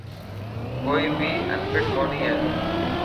ڪوئي بي انفٽ ڪوني هي.